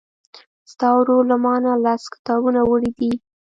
ستا ورور له مانه لس کتابونه وړي دي.